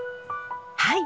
はい！